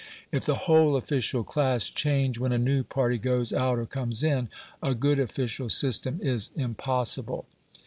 If the whole official class change when a new party goes out or comes in, a good official system is impossible.